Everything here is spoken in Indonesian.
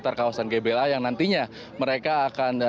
di kawasan gbla yang nantinya mereka akan